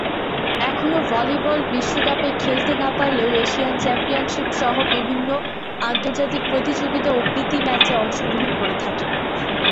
এখনও ভলিবল বিশ্বকাপে খেলতে না পারলেও এশিয়ান চ্যাম্পিয়নশিপ সহ বিভিন্ন আন্তর্জাতিক প্রতিযোগিতা ও প্রীতি ম্যাচে অংশগ্রহণ করে থাকে।